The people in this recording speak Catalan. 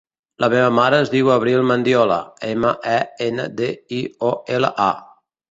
La meva mare es diu Abril Mendiola: ema, e, ena, de, i, o, ela, a.